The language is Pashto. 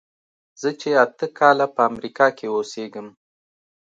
زه چې اته کاله په امریکا کې اوسېږم.